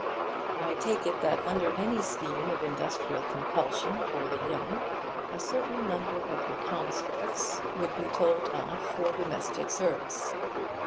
I take it that under any scheme of industrial compulsion for the young a certain number of the conscripts would be told off for domestic service.